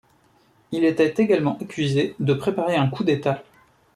Il était également accusé de préparer un coup d'État.